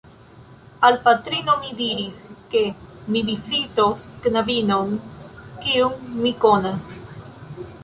Al patrino mi diris, ke mi vizitos knabinon, kiun mi konas.